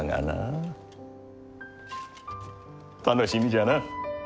楽しみじゃな。